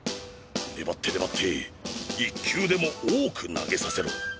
粘って粘って１球でも多く投げさせろ。